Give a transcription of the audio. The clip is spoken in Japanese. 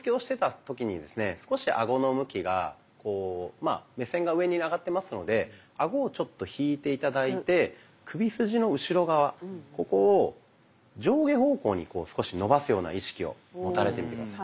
まあ目線が上に上がってますのでアゴをちょっと引いて頂いて首筋の後ろ側ここを上下方向に少し伸ばすような意識を持たれてみて下さい。